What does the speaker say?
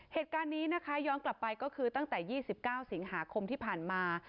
เหตุการณ์นี้นะคะย้อนกลับไปก็คือตั้งแต่๒๙สิงหาคมที่ผ่านมา